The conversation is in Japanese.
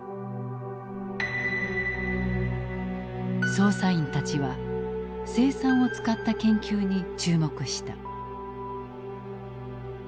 捜査員たちは青酸を使った研究に注目した。